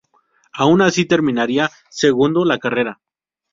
Aun así, terminaría segundo la carrera.